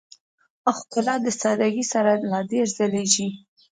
ښکلا د سادهګۍ سره لا ډېره ځلېږي.